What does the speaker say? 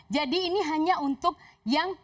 jadi ini hanya untuk yang